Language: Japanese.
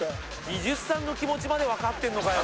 技術さんの気持ちまで分かってんのかよ